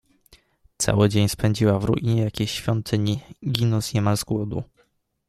Cały dzień spędziła w ruinie jakiejś świątyni, ginąc niemal z głodu.